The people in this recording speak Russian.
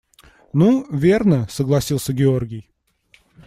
– Ну, верно, – согласился Георгий.